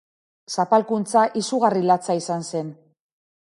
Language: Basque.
Zapalkuntza izugarri latza izan zen.